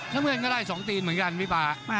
น้ำเงินก็ได้๒ตีนเหมือนกันพี่ป่า